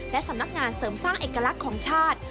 และสำนักงานเสริมสร้างเอกลักษณ์ของชาติ